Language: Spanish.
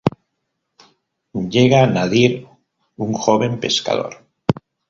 Llega Nadir, un joven pescador.